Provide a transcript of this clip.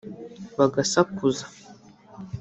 bagasakuza